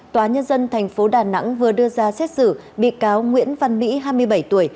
tòa nhân dân tp đà nẵng vừa đưa ra xét xử bị cáo nguyễn văn mỹ hai mươi bảy tuổi